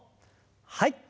はい。